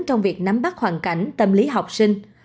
trong việc nắm bắt hoàn cảnh tâm lý học sinh